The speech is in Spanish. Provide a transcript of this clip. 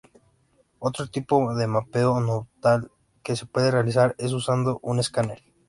Otro tipo de mapeo tonal que se puede realizar es usando un Escáner.